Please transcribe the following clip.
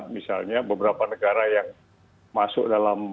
misalnya beberapa negara yang masuk dalam